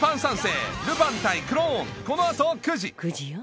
９時よ